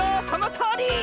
そのとおり！